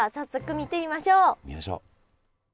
見ましょう。